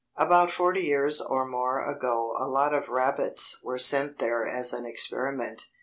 About forty years or more ago a lot of rabbits were sent there as an experiment.